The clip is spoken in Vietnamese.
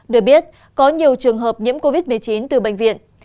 được biết có nhiều trường hợp nhiễm covid một mươi chín từ bệnh viện